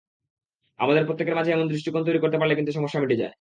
আমাদের প্রত্যেকের মাঝে এমন দৃষ্টিকোণ তৈরি করতে পারলে কিন্তু সমস্যা মিটে যায়।